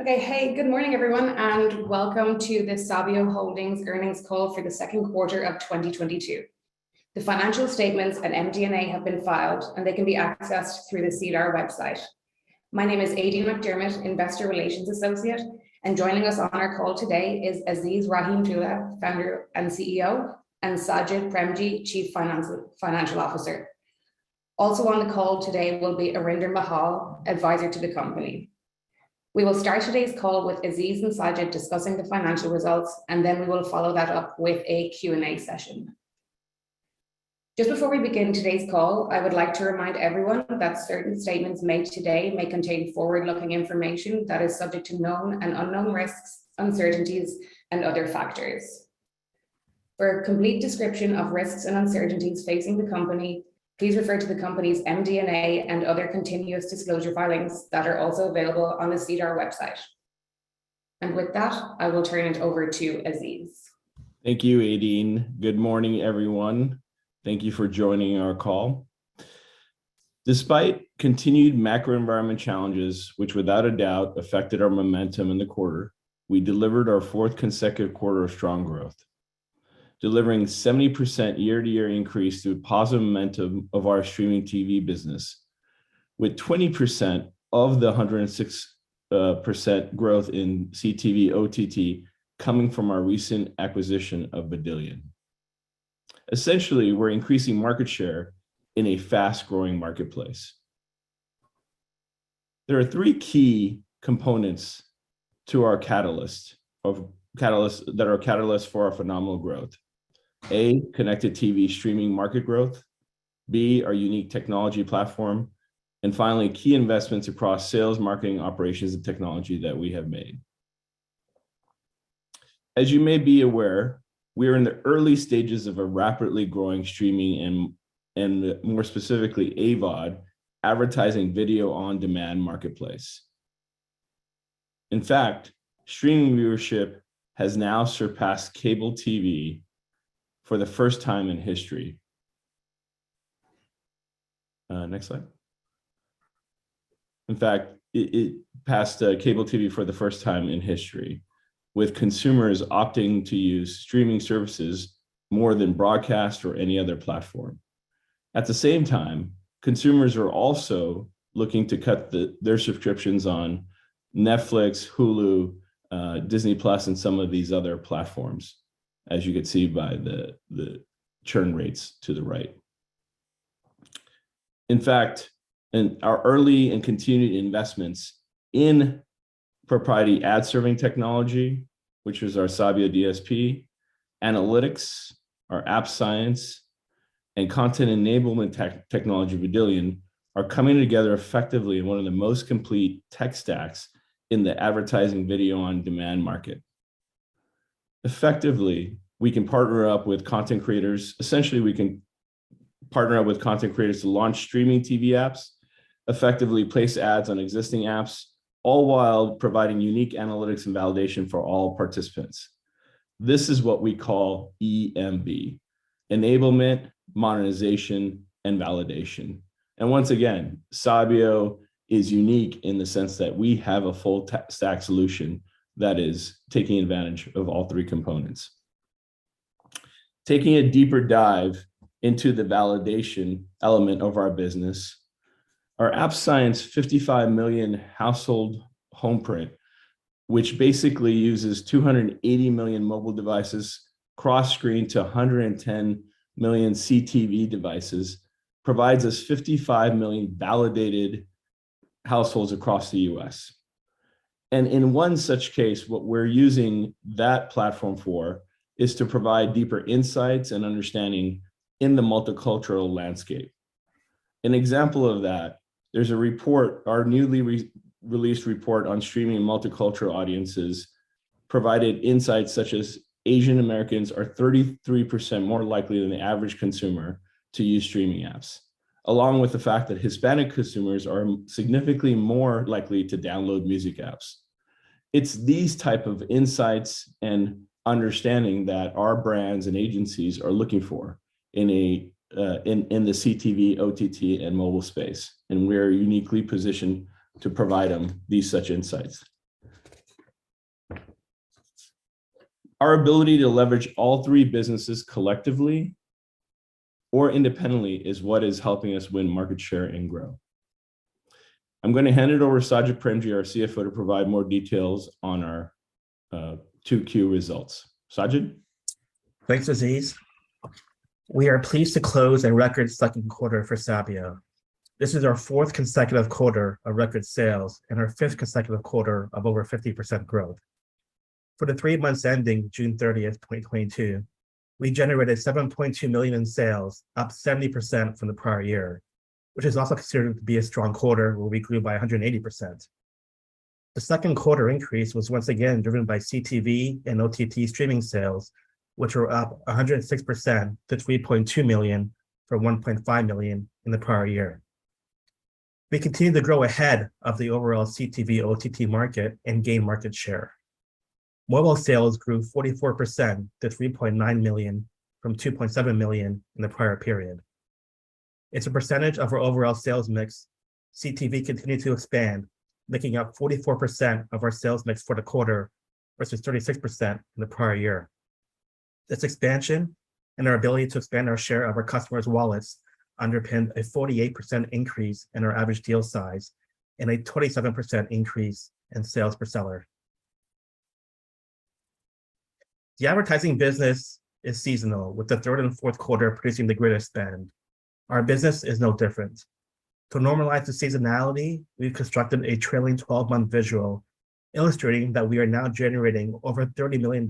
Okay. Hey, good morning, everyone, and Welcome to the Sabio Holdings Earnings Call for the Second Quarter of 2022. The financial statements and MD&A have been filed, and they can be accessed through the SEDAR website. My name is Aideen McDermott, Investor Relations Associate, and joining us on our call today is Aziz Rahimtoola, Founder and CEO, and Sajid Premji, Chief Financial Officer. Also on the call today will be Arinder Mahal, Advisor to the company. We will start today's call with Aziz and Sajid discussing the financial results, and then we will follow that up with a Q&A session. Just before we begin today's call, I would like to remind everyone that certain statements made today may contain forward-looking information that is subject to known and unknown risks, uncertainties, and other factors. For a complete description of risks and uncertainties facing the company, please refer to the company's MD&A and other continuous disclosure filings that are also available on the SEDAR website. With that, I will turn it over to Aziz. Thank you, Aideen. Good morning, everyone. Thank you for joining our call. Despite continued macro environment challenges, which without a doubt affected our momentum in the quarter, we delivered our fourth consecutive quarter of strong growth, delivering 70% year-to-year increase through positive momentum of our streaming TV business, with 20% of the 106% growth in CTV/OTT coming from our recent acquisition of Vidillion. Essentially, we're increasing market share in a fast-growing marketplace. There are three key components to our catalysts for our phenomenal growth. A, connected TV streaming market growth, B, our unique technology platform, and finally, key investments across sales, marketing, operations, and technology that we have made. As you may be aware, we are in the early stages of a rapidly growing streaming and more specifically AVOD, advertising video-on-demand marketplace. In fact, streaming viewership has now surpassed cable TV for the first time in history. Next slide. In fact, it passed cable TV for the first time in history, with consumers opting to use streaming services more than broadcast or any other platform. At the same time, consumers are also looking to cut their subscriptions on Netflix, Hulu, Disney+, and some of these other platforms, as you can see by the churn rates to the right. In fact, in our early and continued investments in proprietary ad serving technology, which is our Sabio DSP, analytics, our App Science, and content enablement technology, Vidillion, are coming together effectively in one of the most complete tech stacks in the advertising video-on-demand market. Effectively, we can partner up with content creators. Essentially, we can partner up with content creators to launch streaming TV apps, effectively place ads on existing apps, all while providing unique analytics and validation for all participants. This is what we call EMV, Enablement, Monetization, and Validation. Once again, Sabio is unique in the sense that we have a full tech stack solution that is taking advantage of all three components. Taking a deeper dive into the validation element of our business, our App Science 55 million household footprint, which basically uses 280 million mobile devices cross-screen to 110 million CTV devices, provides us 55 million validated households across the U.S. In one such case, what we're using that platform for is to provide deeper insights and understanding in the multicultural landscape. An example of that, there's a report, our newly re-released report on streaming multicultural audiences, provided insights such as Asian Americans are 33% more likely than the average consumer to use streaming apps, along with the fact that Hispanic consumers are significantly more likely to download music apps. It's these type of insights and understanding that our brands and agencies are looking for in the CTV/OTT, and mobile space, and we are uniquely positioned to provide them these such insights. Our ability to leverage all three businesses collectively or independently is what is helping us win market share and grow. I'm gonna hand it over to Sajid Premji, our CFO, to provide more details on our 2Q results. Sajid? Thanks, Aziz. We are pleased to close a record second quarter for Sabio. This is our fourth consecutive quarter of record sales and our fifth consecutive quarter of over 50% growth. For the three months ending June 30, 2022, we generated $7.2 million in sales, up 70% from the prior year, which is also considered to be a strong quarter where we grew by 180%. The second quarter increase was once again driven by CTV and OTT streaming sales, which were up 106% to $3.2 million from $1.5 million in the prior year. We continue to grow ahead of the overall CTV/OTT market and gain market share. Mobile sales grew 44% to $3.9 million from $2.7 million in the prior period. As a percentage of our overall sales mix, CTV continued to expand, making up 44% of our sales mix for the quarter versus 36% in the prior year. This expansion and our ability to expand our share of our customers' wallets underpinned a 48% increase in our average deal size and a 27% increase in sales per seller. The advertising business is seasonal, with the third and fourth quarter producing the greatest spend. Our business is no different. To normalize the seasonality, we've constructed a trailing twelve-month visual illustrating that we are now generating over $30 million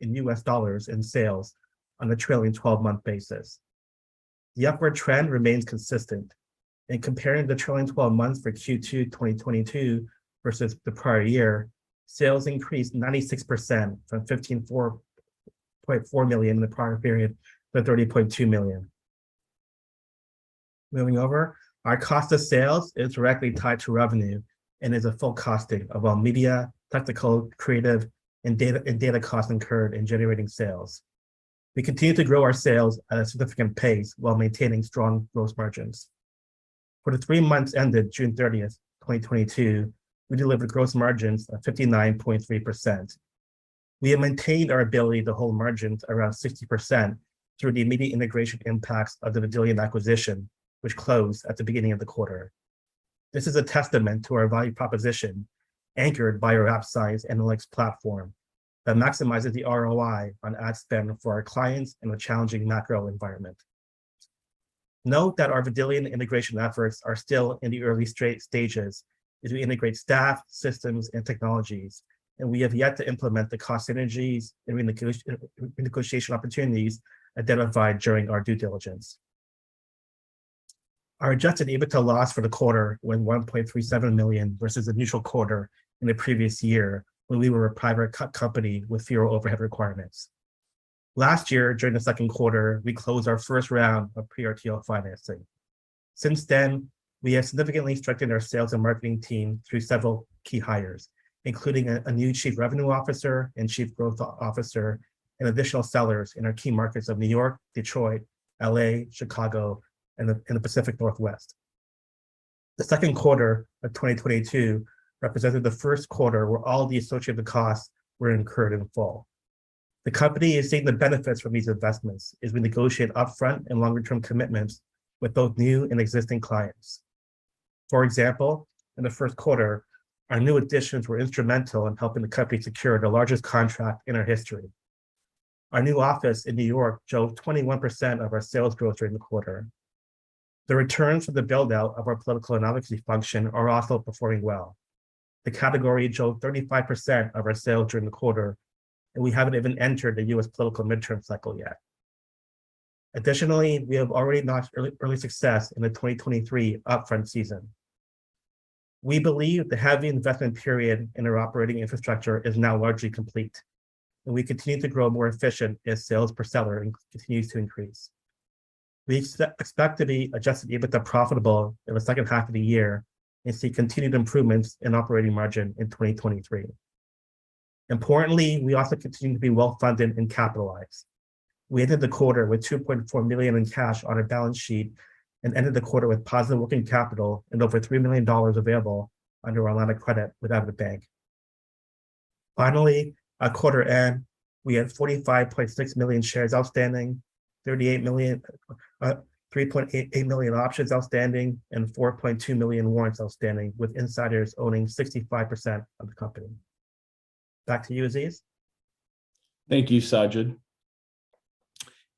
in US dollars in sales on a trailing twelve-month basis. The upward trend remains consistent. In comparing the trailing twelve months for Q2 2022 versus the prior year, sales increased 96% from $15.4 million in the prior period to $30.2 million. Moving over, our cost of sales is directly tied to revenue and is a full costing of our media, technical, creative, and data costs incurred in generating sales. We continue to grow our sales at a significant pace while maintaining strong gross margins. For the three months ended June 30th, 2022, we delivered gross margins of 59.3%. We have maintained our ability to hold margins around 60% through the immediate integration impacts of the Vidillion acquisition, which closed at the beginning of the quarter. This is a testament to our value proposition, anchored by our App Science analytics platform that maximizes the ROI on ad spend for our clients in a challenging macro environment. Note that our Vidillion integration efforts are still in the early stages as we integrate staff, systems, and technologies, and we have yet to implement the cost synergies and renegotiation opportunities identified during our due diligence. Our adjusted EBITDA loss for the quarter was $1.37 million versus a neutral quarter in the previous year when we were a private company with fewer overhead requirements. Last year, during the second quarter, we closed our first round of pre-RTO financing. Since then, we have significantly strengthened our sales and marketing team through several key hires, including a new chief revenue officer and chief growth officer and additional sellers in our key markets of New York, Detroit, L.A., Chicago, and the Pacific Northwest. The second quarter of 2022 represented the first quarter where all the associated costs were incurred in full. The company is seeing the benefits from these investments as we negotiate upfront and longer term commitments with both new and existing clients. For example, in the first quarter, our new additions were instrumental in helping the company secure the largest contract in our history. Our new office in New York drove 21% of our sales growth during the quarter. The returns for the build-out of our political and advocacy function are also performing well. The category drove 35% of our sales during the quarter, and we haven't even entered the U.S. political midterm cycle yet. We have already notched early success in the 2023 upfront season. We believe the heavy investment period in our operating infrastructure is now largely complete, and we continue to grow more efficient as sales per seller continues to increase. We expect to be adjusted EBITDA profitable in the second half of the year and see continued improvements in operating margin in 2023. Importantly, we also continue to be well-funded and capitalized. We ended the quarter with $2.4 million in cash on our balance sheet and ended the quarter with positive working capital and over $3 million available under our line of credit with Avidbank. Finally, at quarter end, we had 45.6 million shares outstanding, 38 million. 3.88 million options outstanding, and 4.2 million warrants outstanding, with insiders owning 65% of the company. Back to you, Aziz. Thank you, Sajid.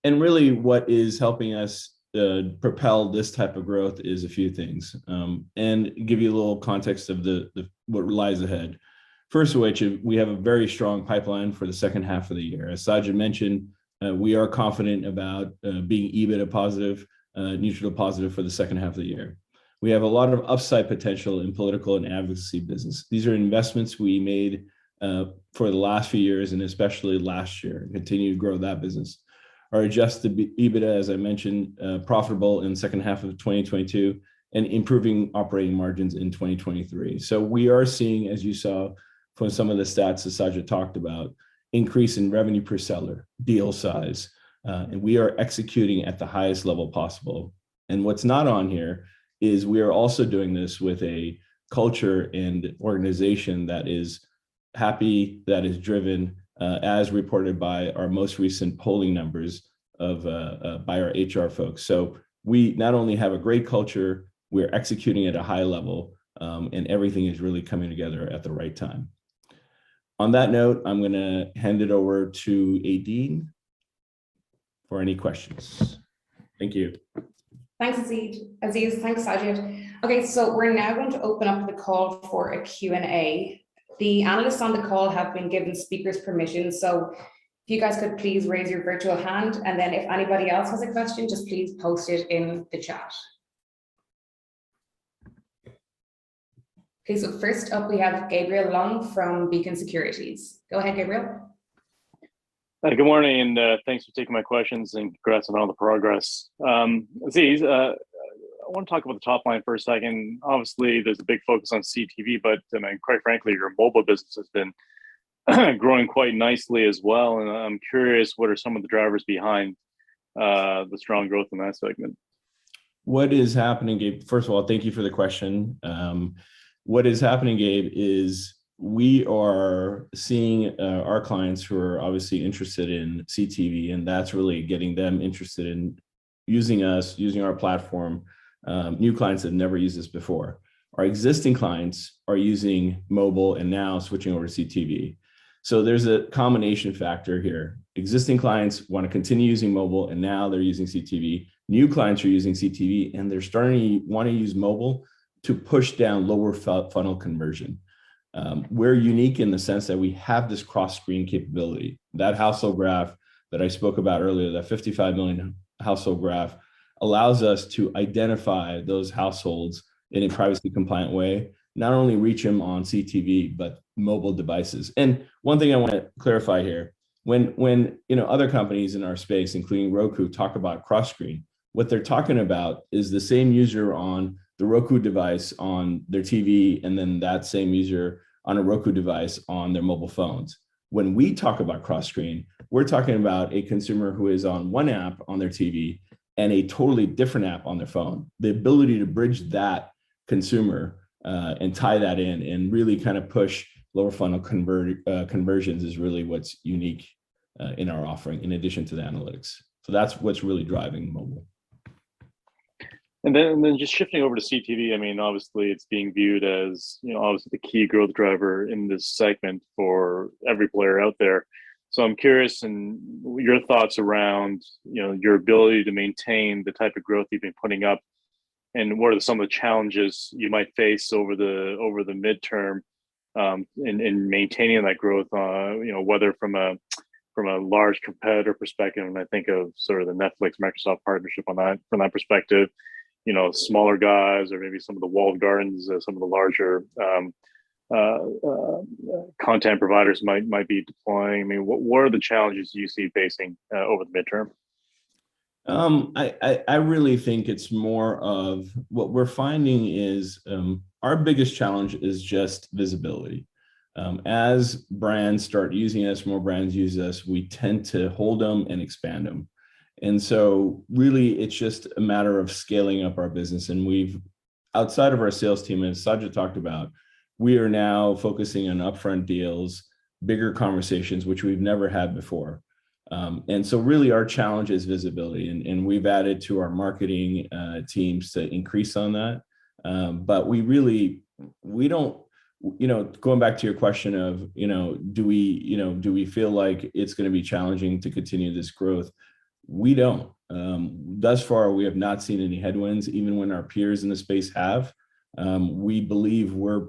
Really what is helping us propel this type of growth is a few things, and give you a little context of the what lies ahead. First of which, we have a very strong pipeline for the second half of the year. As Sajid mentioned, we are confident about being EBITDA positive, neutral to positive for the second half of the year. We have a lot of upside potential in political and advocacy business. These are investments we made for the last few years, and especially last year, continue to grow that business. Our adjusted EBITDA, as I mentioned, profitable in the second half of 2022 and improving operating margins in 2023. We are seeing, as you saw from some of the stats that Sajid talked about, increase in revenue per seller, deal size, and we are executing at the highest level possible. What's not on here is we are also doing this with a culture and organization that is happy, that is driven, as reported by our most recent polling numbers of, by our HR folks. We not only have a great culture, we're executing at a high level, and everything is really coming together at the right time. On that note, I'm gonna hand it over to Aideen for any questions. Thank you. Thanks, Aziz. Aziz, thanks, Sajid. Okay, we're now going to open up the call for a Q&A. The analysts on the call have been given speaker's permission, so if you guys could please raise your virtual hand, and then if anybody else has a question, just please post it in the chat. Okay, first up we have Gabriel Leung from Beacon Securities. Go ahead, Gabriel. Good morning, and thanks for taking my questions, and congrats on all the progress. Aziz, I wanna talk about the top line for a second. Obviously, there's a big focus on CTV, but I mean, quite frankly, your mobile business has been growing quite nicely as well. I'm curious, what are some of the drivers behind the strong growth in that segment? What is happening, Gabe. First of all, thank you for the question. What is happening, Gabe, is we are seeing our clients who are obviously interested in CTV, and that's really getting them interested in using us, using our platform, new clients that never used us before. Our existing clients are using mobile and now switching over to CTV. There's a combination factor here. Existing clients wanna continue using mobile and now they're using CTV. New clients are using CTV and they're starting wanting to use mobile to push down lower funnel conversion. We're unique in the sense that we have this cross-screen capability. That household graph that I spoke about earlier, that 55 million household graph allows us to identify those households in a privacy compliant way, not only reach them on CTV, but mobile devices. One thing I wanna clarify here. When you know, other companies in our space, including Roku, talk about cross-screen, what they're talking about is the same user on the Roku device on their TV and then that same user on a Roku device on their mobile phones. When we talk about cross-screen, we're talking about a consumer who is on one app on their TV and a totally different app on their phone. The ability to bridge that consumer and tie that in and really kind of push lower funnel conversions is really what's unique in our offering in addition to the analytics. That's what's really driving mobile. Just shifting over to CTV, I mean, obviously, it's being viewed as, you know, obviously the key growth driver in this segment for every player out there. I'm curious in your thoughts around, you know, your ability to maintain the type of growth you've been putting up, and what are some of the challenges you might face over the midterm in maintaining that growth? You know, whether from a large competitor perspective, and I think of sort of the Netflix, Microsoft partnership on that from that perspective, you know, smaller guys or maybe some of the walled gardens, some of the larger content providers might be deploying. I mean, what are the challenges you see facing over the midterm? What we're finding is, our biggest challenge is just visibility. As brands start using us, more brands use us, we tend to hold them and expand them. Really it's just a matter of scaling up our business. Outside of our sales team, as Sajid talked about, we are now focusing on upfront deals, bigger conversations, which we've never had before. Really our challenge is visibility and we've added to our marketing teams to increase on that. We really don't, you know, going back to your question of, you know, do we, you know, do we feel like it's gonna be challenging to continue this growth? We don't. Thus far we have not seen any headwinds, even when our peers in the space have. We believe we're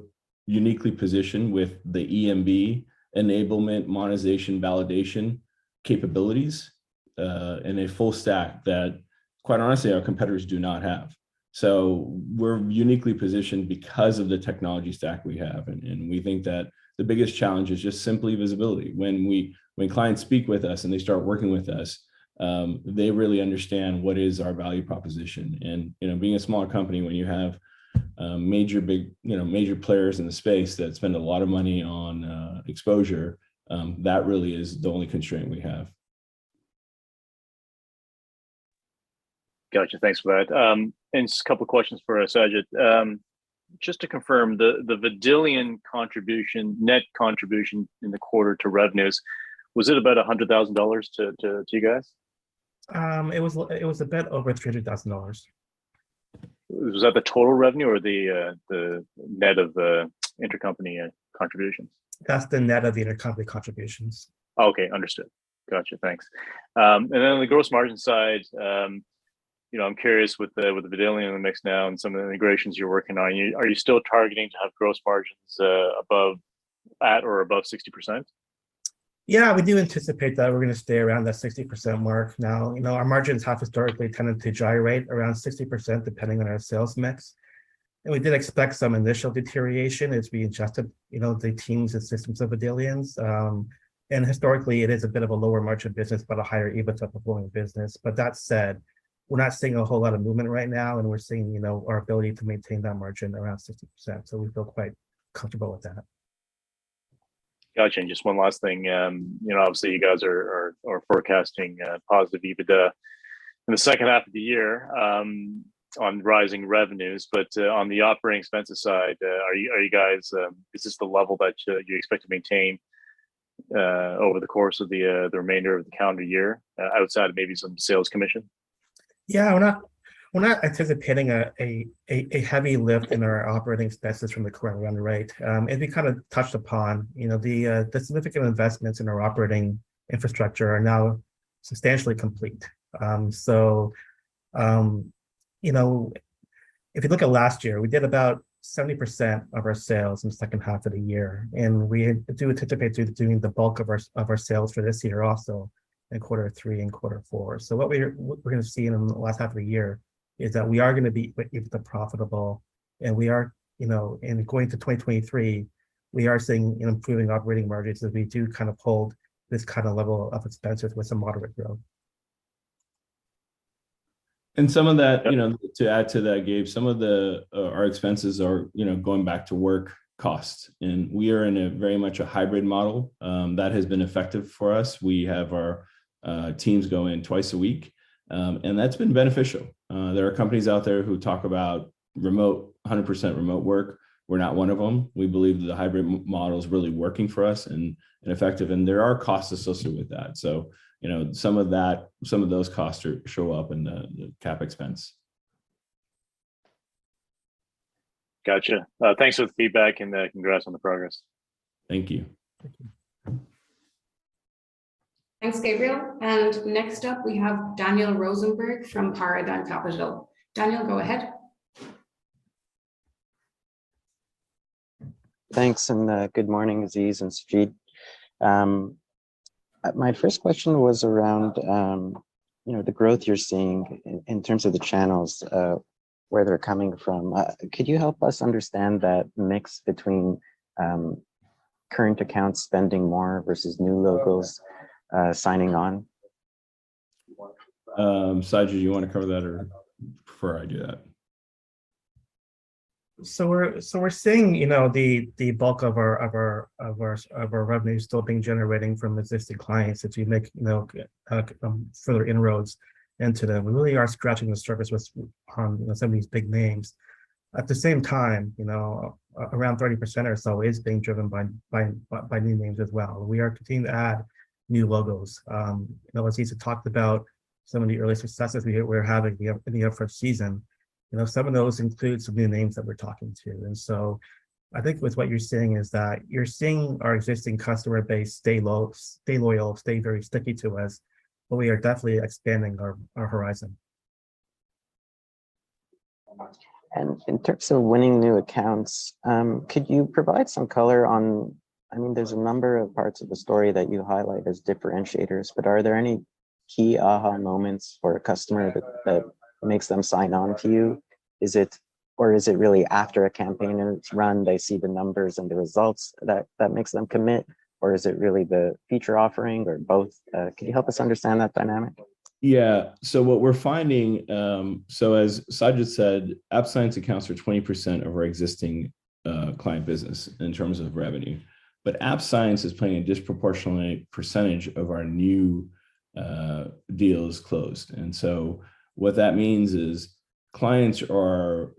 uniquely positioned with the EMB enablement, monetization, validation capabilities in a full stack that quite honestly our competitors do not have. We're uniquely positioned because of the technology stack we have and we think that the biggest challenge is just simply visibility. When clients speak with us and they start working with us, they really understand what is our value proposition. You know, being a smaller company when you have major players in the space that spend a lot of money on exposure, that really is the only constraint we have. Gotcha. Thanks for that. Just a couple questions for Sajid. Just to confirm the Vidillion contribution, net contribution in the quarter to revenues, was it about $100,000 to you guys? It was a bit over $300,000. Was that the total revenue or the net of intercompany contributions? That's the net of the intercompany contributions. Okay. Understood. Gotcha. Thanks. On the gross margin side, you know, I'm curious with the Vidillion in the mix now and some of the integrations you're working on, are you still targeting to have gross margins above, at or above 60%? Yeah, we do anticipate that we're gonna stay around that 60% mark now. You know, our margins have historically tended to gyrate around 60% depending on our sales mix. We did expect some initial deterioration as we adjusted, you know, the teams and systems of Vidillion's. Historically it is a bit of a lower margin business, but a higher EBITDA performing business. That said, we're not seeing a whole lot of movement right now, and we're seeing, you know, our ability to maintain that margin around 60%. We feel quite comfortable with that. Gotcha. Just one last thing, you know, obviously you guys are forecasting a positive EBITDA in the second half of the year, on rising revenues, but on the operating expenses side, are you guys is this the level that you expect to maintain over the course of the remainder of the calendar year, outside of maybe some sales commission? Yeah. We're not anticipating a heavy lift in our operating expenses from the current run rate. As we kind of touched upon, you know, the significant investments in our operating infrastructure are now substantially complete. You know, if you look at last year, we did about 70% of our sales in the second half of the year, and we do anticipate doing the bulk of our sales for this year also in quarter three and quarter four. We're gonna be EBITDA profitable, and going into 2023 we are seeing, you know, improving operating margins as we do kind of hold this kind of level of expenses with some moderate growth. Some of that, you know, to add to that, Gabe, some of the our expenses are, you know, going back to work costs, and we are in a very much a hybrid model that has been effective for us. We have our teams go in twice a week, and that's been beneficial. There are companies out there who talk about remote, 100% remote work. We're not one of them. We believe that the hybrid model is really working for us and effective, and there are costs associated with that. Some of that, some of those costs do show up in the CapEx expense. Gotcha. Thanks for the feedback and congrats on the progress. Thank you. Thank you. Thanks, Gabriel. Next up we have Daniel Rosenberg from Paradigm Capital. Daniel, go ahead. Thanks, good morning, Aziz and Sajid. My first question was around, you know, the growth you're seeing in terms of the channels where they're coming from. Could you help us understand that mix between current accounts spending more versus new logos signing on? Sajid, do you wanna cover that or prefer I do that? We're seeing, you know, the bulk of our revenue still being generating from existing clients as we make, you know, further inroads into them. We really are scratching the surface with, you know, some of these big names. At the same time, you know, around 30% or so is being driven by new names as well. We are continuing to add new logos. You know, as Aziz had talked about some of the early successes we have in the upfront season. You know, some of those include some new names that we're talking to. I think with what you're seeing is that you're seeing our existing customer base stay loyal, stay very sticky to us, but we are definitely expanding our horizon. In terms of winning new accounts, could you provide some color on I mean, there's a number of parts of the story that you highlight as differentiators, but are there any key aha moments for a customer that makes them sign on to you? Is it or is it really after a campaign and it's run, they see the numbers and the results that makes them commit, or is it really the feature offering or both? Can you help us understand that dynamic? As Sajid said, App Science accounts for 20% of our existing client business in terms of revenue, but App Science is playing a disproportionate percentage of our new deals closed. What that means is, you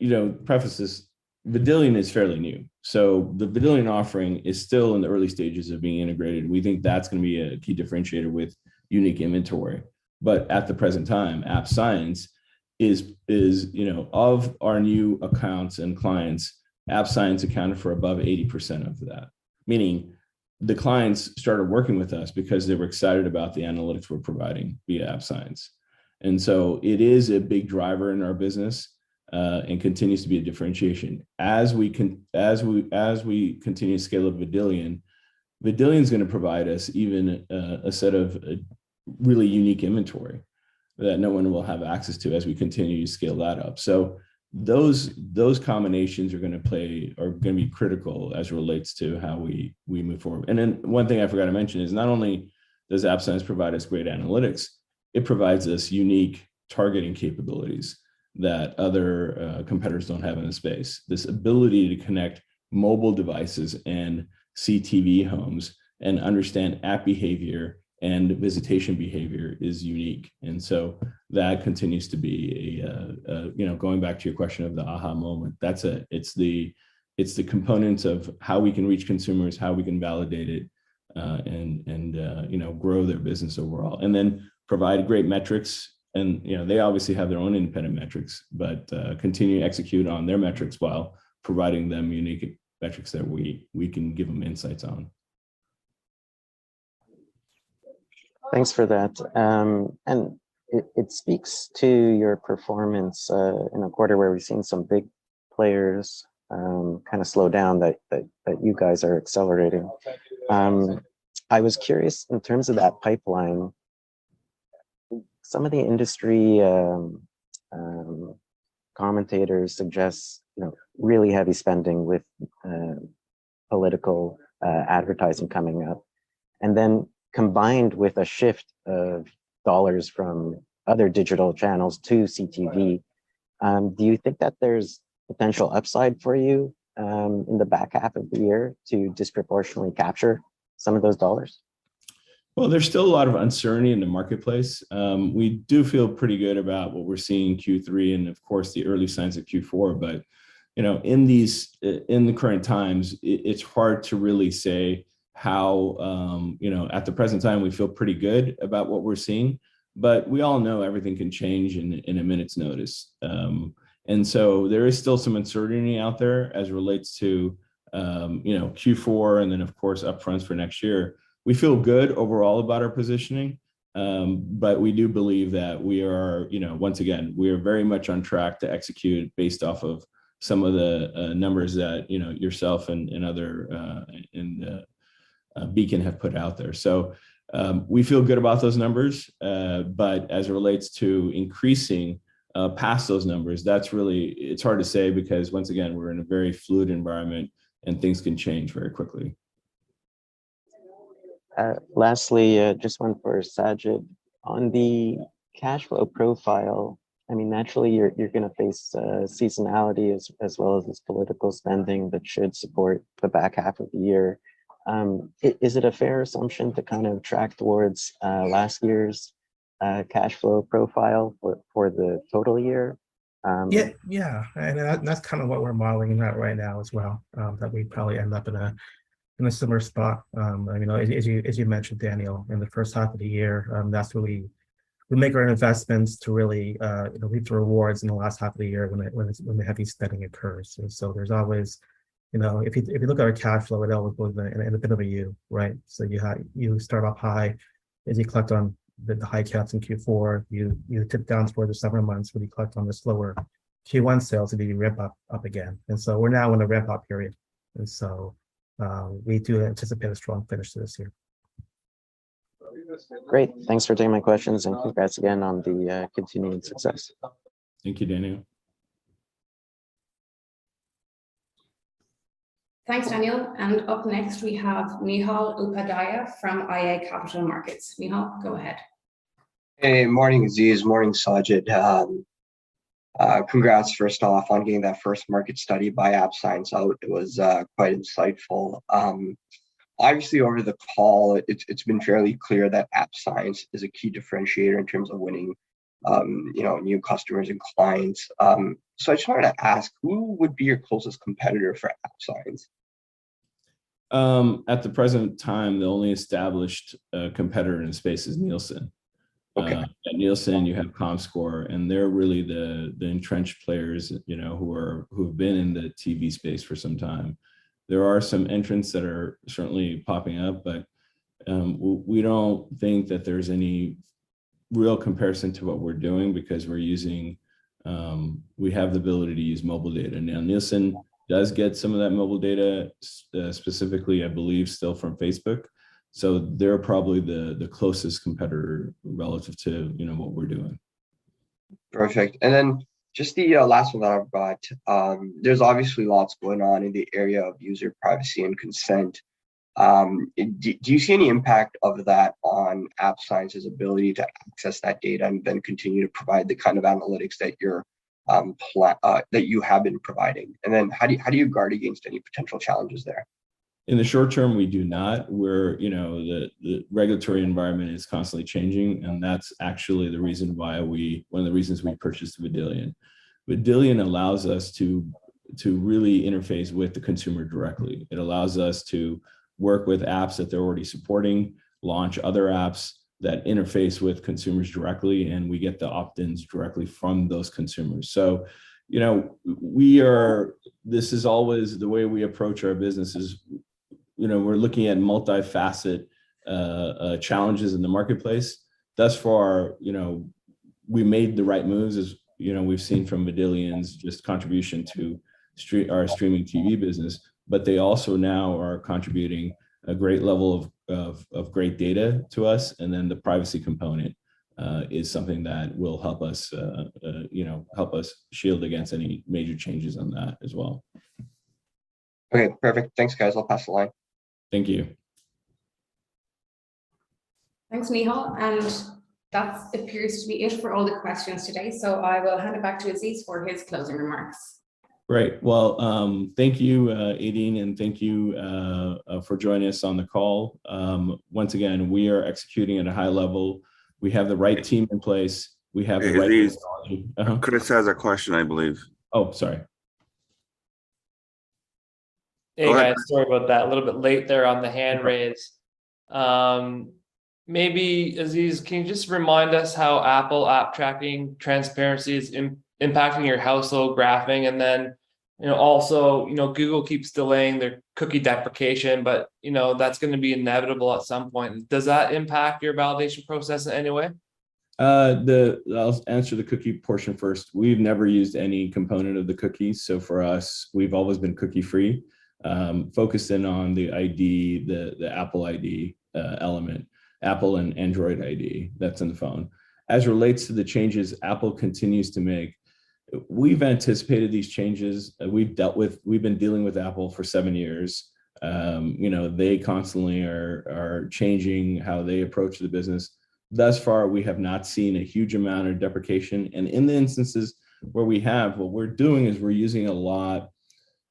know, preface this, Vidillion is fairly new, so the Vidillion offering is still in the early stages of being integrated. We think that's gonna be a key differentiator with unique inventory. At the present time, App Science is, you know, of our new accounts and clients, App Science accounted for above 80% of that, meaning the clients started working with us because they were excited about the analytics we're providing via App Science. It is a big driver in our business and continues to be a differentiation. As we continue to scale up Vidillion's gonna provide us even a set of really unique inventory that no one will have access to as we continue to scale that up. Those combinations are gonna play or gonna be critical as it relates to how we move forward. One thing I forgot to mention is not only does App Science provide us great analytics, it provides us unique targeting capabilities that other competitors don't have in the space. This ability to connect mobile devices and CTV homes and understand app behavior and visitation behavior is unique. That continues to be. You know, going back to your question of the aha moment, that's it. It's the components of how we can reach consumers, how we can validate it, and you know, grow their business overall. Then provide great metrics and, you know, they obviously have their own independent metrics, but continue to execute on their metrics while providing them unique metrics that we can give them insights on. Thanks for that. It speaks to your performance in a quarter where we've seen some big players kinda slow down that you guys are accelerating. I was curious in terms of that pipeline. Some of the industry commentators suggest, you know, really heavy spending with political advertising coming up, and then combined with a shift of dollars from other digital channels to CTV. Do you think that there's potential upside for you in the back half of the year to disproportionately capture some of those dollars? Well, there's still a lot of uncertainty in the marketplace. We do feel pretty good about what we're seeing in Q3, and of course, the early signs of Q4, but, you know, in the current times, it's hard to really say how. You know, at the present time, we feel pretty good about what we're seeing, but we all know everything can change in a minute's notice. There is still some uncertainty out there as it relates to, you know, Q4 and then of course, upfront for next year. We feel good overall about our positioning, but we do believe that we are, you know, once again, we are very much on track to execute based off of some of the numbers that, you know, yourself and other Beacon have put out there. We feel good about those numbers, but as it relates to increasing past those numbers, that's really. It's hard to say, because once again, we're in a very fluid environment and things can change very quickly. Lastly, just one for Sajid. On the cash flow profile, I mean, naturally you're gonna face seasonality as well as this political spending that should support the back half of the year. Is it a fair assumption to kind of track towards last year's cash flow profile for the total year? Yeah. Yeah. That, that's kind of what we're modeling in that right now as well, that we probably end up in a similar spot. You know, as you mentioned, Daniel, in the first half of the year, that's where we make our investments to really, you know, reap the rewards in the last half of the year when the heavy spending occurs. There's always, you know, if you look at our cash flow, it always moves in a bit of a U, right? You start off high as you collect on the high Q's in Q4. You tip down towards the summer months when you collect on the slower Q1 sales and then you ramp up again. We're now in a ramp-up period. We do anticipate a strong finish to this year. Great. Thanks for taking my questions and congrats again on the continued success. Thank you, Daniel. Thanks, Daniel. Up next we have Neehal Upadhyaya from iA Capital Markets. Neehal, go ahead. Hey, morning Aziz, morning Sajid. Congrats first off on getting that first market study by App Science out. It was quite insightful. Obviously over the call it's been fairly clear that App Science is a key differentiator in terms of winning, you know, new customers and clients. So I just wanted to ask, who would be your closest competitor for App Science? At the present time, the only established competitor in the space is Nielsen. Okay. At Nielsen you have Comscore, and they're really the entrenched players, you know, who have been in the TV space for some time. There are some entrants that are certainly popping up, but we don't think that there's any real comparison to what we're doing because we're using we have the ability to use mobile data. Now, Nielsen does get some of that mobile data, specifically, I believe, still from Facebook, so they're probably the closest competitor relative to, you know, what we're doing. Perfect. Just the last one that I've got. There's obviously lots going on in the area of user privacy and consent. Do you see any impact of that on App Science's ability to access that data and then continue to provide the kind of analytics that you have been providing? How do you guard against any potential challenges there? In the short term, we do not. The regulatory environment is constantly changing, and that's actually the reason why one of the reasons we purchased Vidillion. Vidillion allows us to really interface with the consumer directly. It allows us to work with apps that they're already supporting, launch other apps that interface with consumers directly, and we get the opt-ins directly from those consumers. This is always the way we approach our businesses. We're looking at multi-faceted challenges in the marketplace. Thus far, we made the right moves, as we've seen from Vidillion's just contribution to our streaming TV business. They also now are contributing a great level of great data to us, and then the privacy component is something that will help us, you know, help us shield against any major changes on that as well. Okay. Perfect. Thanks guys. I'll pass the line. Thank you. Thanks, Neehal. That appears to be it for all the questions today. I will hand it back to Aziz for his closing remarks. Great. Well, thank you, Aideen, and thank you for joining us on the call. Once again, we are executing at a high level. We have the right team in place. We have the right Hey, Aziz. Uh-huh? Chris has a question, I believe. Oh, sorry. Go ahead. Hey, guys. Sorry about that. A little bit late there on the hand raise. Maybe, Aziz, can you just remind us how Apple app tracking transparency is impacting your household graphing? Then, you know, also, you know, Google keeps delaying their cookie deprecation, but, you know, that's gonna be inevitable at some point. Does that impact your validation process in any way? I'll answer the cookie portion first. We've never used any component of the cookies. For us, we've always been cookie-free, focusing on the ID, the Apple ID, element, Apple and Android ID that's in the phone. As relates to the changes Apple continues to make, we've anticipated these changes. We've been dealing with Apple for seven years. You know, they constantly are changing how they approach the business. Thus far, we have not seen a huge amount of deprecation, and in the instances where we have, what we're doing is we're using a lot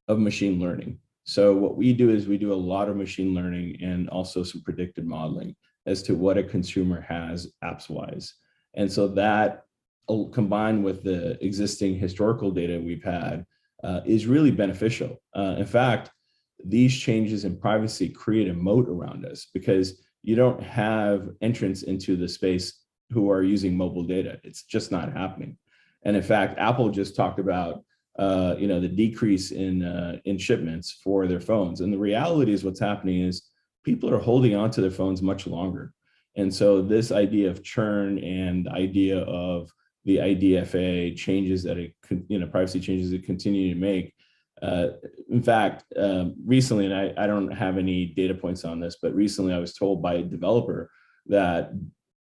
of machine learning. What we do is we do a lot of machine learning and also some predictive modeling as to what a consumer has apps-wise. That combined with the existing historical data we've had is really beneficial. In fact, these changes in privacy create a moat around us because you don't have entrants into the space who are using mobile data. It's just not happening. In fact, Apple just talked about, you know, the decrease in shipments for their phones. The reality is what's happening is people are holding onto their phones much longer. This idea of churn and the idea of the IDFA changes that it could, you know, privacy changes it continue to make. In fact, recently, I don't have any data points on this, but recently I was told by a developer that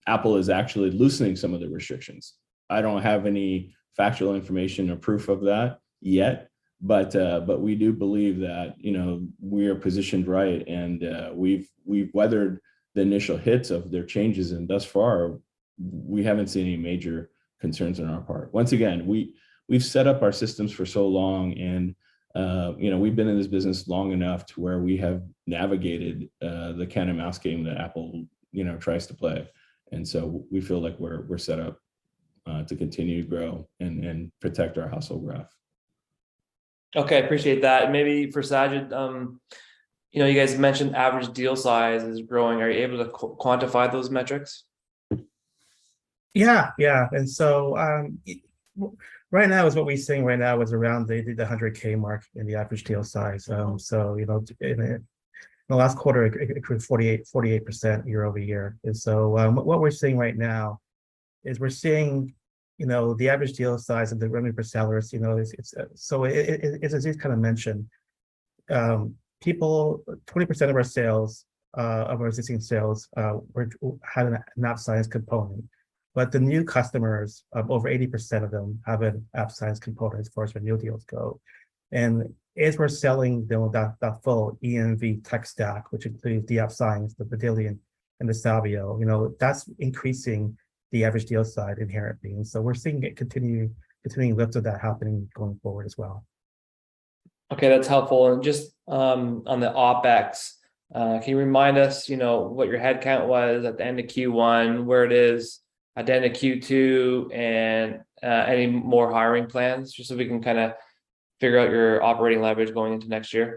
Apple is actually loosening some of the restrictions. I don't have any factual information or proof of that yet, but we do believe that, you know, we are positioned right and, we've weathered the initial hits of their changes, and thus far we haven't seen any major concerns on our part. Once again, we've set up our systems for so long and, you know, we've been in this business long enough to where we have navigated the cat and mouse game that Apple, you know, tries to play. We feel like we're set up to continue to grow and protect our household graph. Okay. I appreciate that. Maybe for Sajid, you know, you guys mentioned average deal size is growing. Are you able to quantify those metrics? Yeah. Right now what we are seeing right now is around the $100K mark in the average deal size. So, you know, in the last quarter it grew 48% year-over-year. What we're seeing right now is, you know, the average deal size of the revenue per sellers, you know. It's as Aziz kind of mentioned, 20% of our existing sales had an App Science component, but the new customers, over 80% of them have an App Science component as far as where new deals go. As we're selling them that full EMV tech stack, which includes the App Science, the Vidillion, and the Sabio, you know, that's increasing the average deal size inherently. We're seeing it continuing lifts of that happening going forward as well. Okay, that's helpful. Just, on the OpEx, can you remind us, you know, what your headcount was at the end of Q1, where it is at the end of Q2, and, any more hiring plans, just so we can kinda figure out your operating leverage going into next year?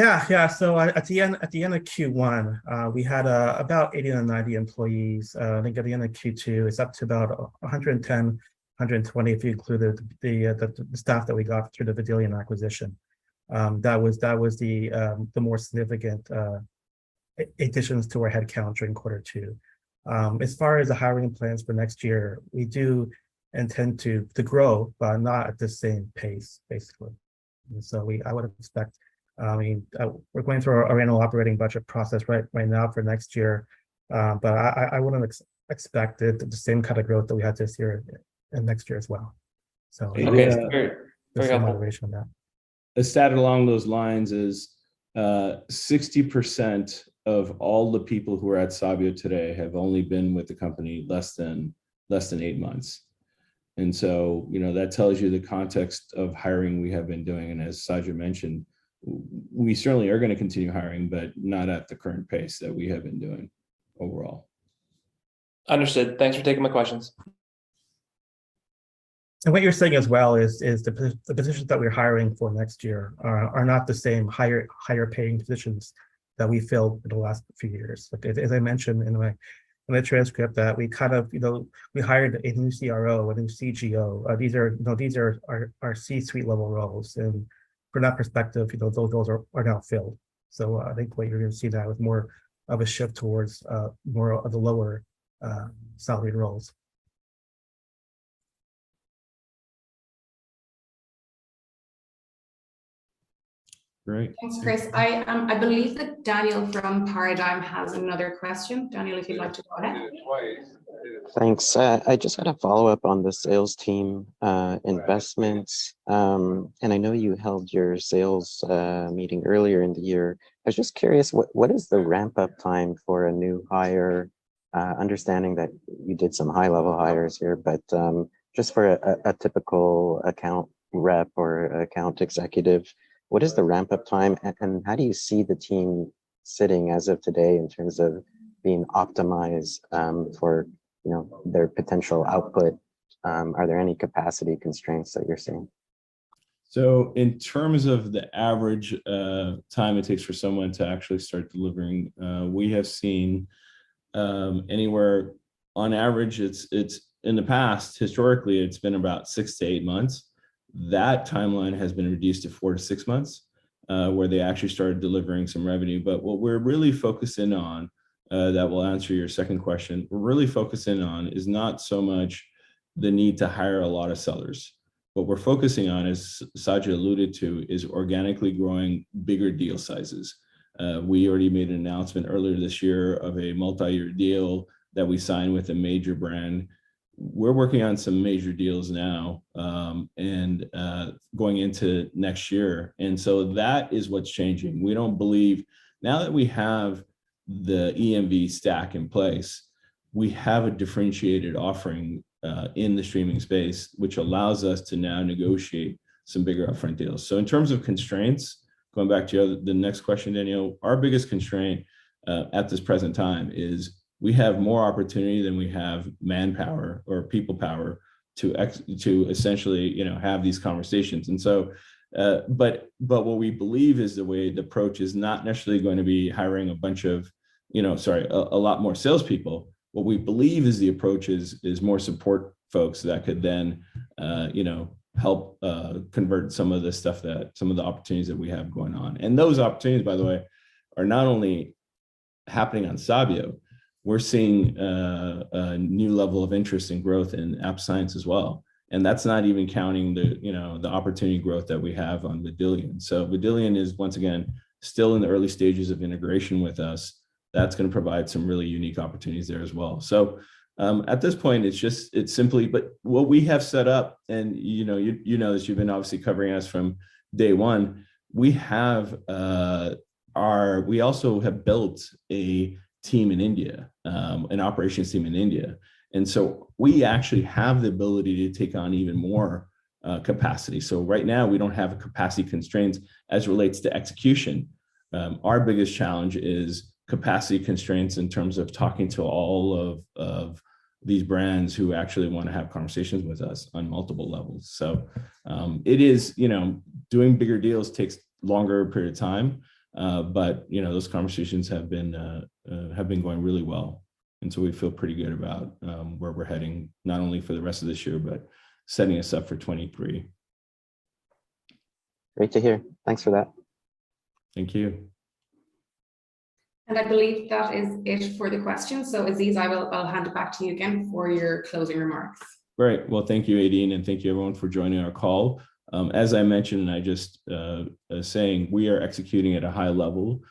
Yeah. Yeah. At the end of Q1, we had about 89-90 employees. I think at the end of Q2 it's up to about 110-120 if you included the staff that we got through the Vidillion acquisition. That was the more significant additions to our headcount during quarter two. As far as the hiring plans for next year, we do intend to grow, but not at the same pace, basically. I would expect, I mean, we're going through our annual operating budget process right now for next year. But I wouldn't expect the same kind of growth that we had this year and next year as well. Okay. That's great. Great. There's some moderation on that. A stat along those lines is, 60% of all the people who are at Sabio today have only been with the company less than eight months. You know, that tells you the context of hiring we have been doing, and as Sajid mentioned, we certainly are gonna continue hiring, but not at the current pace that we have been doing overall. Understood. Thanks for taking my questions. What you're saying as well is the positions that we're hiring for next year are not the same higher paying positions that we filled the last few years. Like, as I mentioned in my transcript, that we kind of, you know, we hired a new CRO, a new CGO. These are, you know, C-suite level roles. From that perspective, you know, those are now filled. I think what you're gonna see that with more of a shift towards more of the lower salaried roles. Great. Thanks, Chris. I believe that Daniel from Paradigm Capital has another question. Daniel, if you'd like to go ahead. Thanks. I just had a follow-up on the sales team investments. I know you held your sales meeting earlier in the year. I was just curious, what is the ramp-up time for a new hire, understanding that you did some high-level hires here, but just for a typical account rep or account executive, what is the ramp-up time and how do you see the team sitting as of today in terms of being optimized, for you know, their potential output? Are there any capacity constraints that you're seeing? In terms of the average time it takes for someone to actually start delivering, we have seen, anywhere, on average, it's in the past, historically, it's been about 6-8 months. That timeline has been reduced to four-six months, where they actually started delivering some revenue. What we're really focusing on, that will answer your second question, is not so much the need to hire a lot of sellers. What we're focusing on, as Sajid alluded to, is organically growing bigger deal sizes. We already made an announcement earlier this year of a multi-year deal that we signed with a major brand. We're working on some major deals now, and going into next year. That is what's changing. We don't believe now that we have the EMV stack in place, we have a differentiated offering in the streaming space, which allows us to now negotiate some bigger upfront deals. In terms of constraints, going back to your other, the next question, Daniel, our biggest constraint at this present time is we have more opportunity than we have manpower or people power to essentially, you know, have these conversations. But what we believe is the way the approach is not necessarily going to be hiring a bunch of, you know, sorry, a lot more salespeople. What we believe is the approach is more support folks that could then, you know, help convert some of the stuff that, some of the opportunities that we have going on. Those opportunities, by the way, are not only happening on Sabio. We're seeing a new level of interest and growth in App Science as well, and that's not even counting the, you know, the opportunity growth that we have on Vidillion. Vidillion is, once again, still in the early stages of integration with us. That's gonna provide some really unique opportunities there as well. At this point it's simply what we have set up and, you know, you know this, you've been obviously covering us from day one. We also have built a team in India, an operations team in India. We actually have the ability to take on even more capacity. Right now we don't have capacity constraints as relates to execution. Our biggest challenge is capacity constraints in terms of talking to all of these brands who actually wanna have conversations with us on multiple levels. It is, you know, doing bigger deals takes longer period of time. Those conversations have been going really well. We feel pretty good about where we're heading, not only for the rest of this year, but setting us up for 2023. Great to hear. Thanks for that. Thank you. I believe that is it for the questions. Aziz, I'll hand it back to you again for your closing remarks. Great. Well, thank you, Aideen, and thank you everyone for joining our call. As I mentioned, I'm just saying we are executing at a high level.